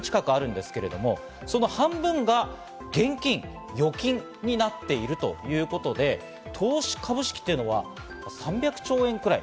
全部で２０００兆円近くあるんですけれども、その半分が現金・預金になっているということで投資株式は、３００兆円くらい。